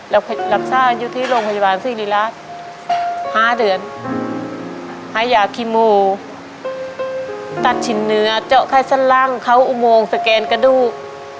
แล้วรักษาอยู่ที่โรงพยาบาลสินิรัติห้าเดือนไฮยากิโมตัดชิ้นเนื้อเจ้าไข้สั้นล่างเขาอุโมงสแกนกระดูก